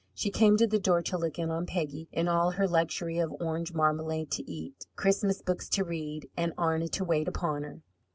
She came to the door to look in on Peggy in all her luxury of orange marmalade to eat, Christmas books to read, and Arna to wait upon her.